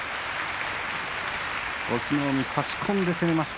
隠岐の海差し込んで攻めました。